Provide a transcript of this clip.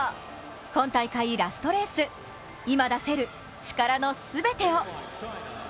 今大会ラストレース、今出せる力の全てを。